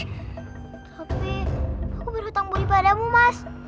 tapi aku berhutang budi padamu mas